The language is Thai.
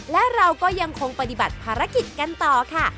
และเราก็ยังคงปฏิบัติภารกิจกันต่อค่ะ